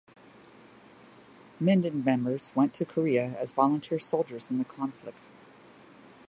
Mindan members went to Korea as volunteer soldiers in the conflict.